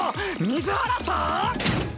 水原さん